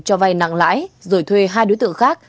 cho vay nặng lãi rồi thuê hai đối tượng khác